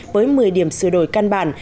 với một mươi điểm sửa đổi căn bản